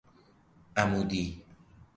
عمودی